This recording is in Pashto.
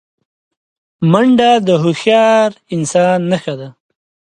منډه د هوښیار انسان نښه ده